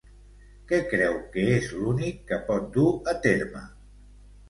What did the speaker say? Què creu que és l'únic que pot dur a terme?